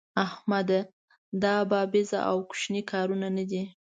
احمده! دا بابېزه او کوشنی کار نه دی.